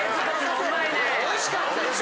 おいしかったでしょ？